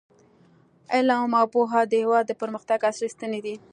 علم او پوهه د هیواد د پرمختګ اصلي ستنې دي.